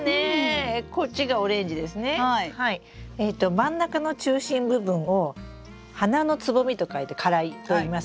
真ん中の中心部分を「花の蕾」と書いて花蕾といいます。